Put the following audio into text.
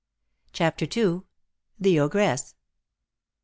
CHAPTER II. THE OGRESS.